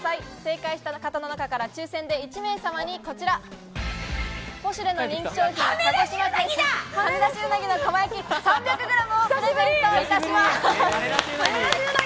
正解した方の中から抽選で１名様にこちら、ポシュレの人気商品・鹿児島県産はねだし鰻の蒲焼３００ｇをプレゼントいたします。